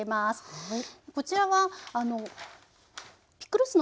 はい。